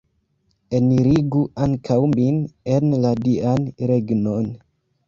Enirigu ankaŭ min en la Dian regnon!